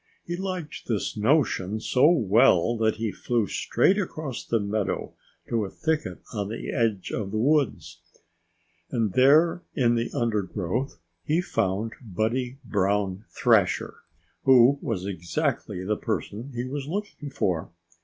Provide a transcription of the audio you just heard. He liked this notion so well that he flew straight across the meadow to a thicket on the edge of the woods. And there in the undergrowth he found Buddy Brown Thrasher, who was exactly the person he was looking for.